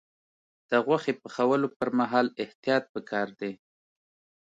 د غوښې پخولو پر مهال احتیاط پکار دی.